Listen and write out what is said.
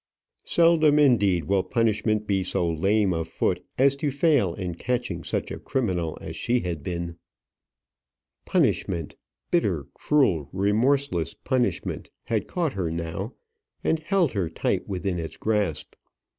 Seldom, indeed, will punishment be so lame of foot as to fail in catching such a criminal as she had been. Punishment bitter, cruel, remorseless punishment had caught her now, and held her tight within its grasp.